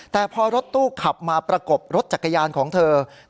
แต่พอรถตู้ขับมาประกบรถจักรยานของเธอ